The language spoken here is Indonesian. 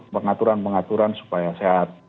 pengaturan pengaturan supaya sehat